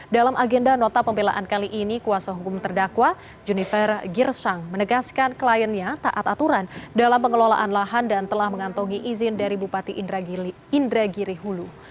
dalam agenda nota pembelaan kali ini kuasa hukum terdakwa junifer girsang menegaskan kliennya taat aturan dalam pengelolaan lahan dan telah mengantongi izin dari bupati indra girihulu